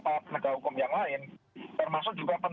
jadi penyidikan hukum itu bisa diperoleh dari penegakan hukum yang lain